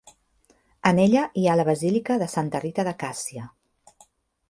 En ella hi ha la Basílica de Santa Rita de Càssia.